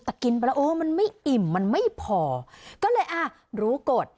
แต่กินไปแล้วเออมันไม่อิ่มมันไม่พอก็เลยอ่ะรู้กฎ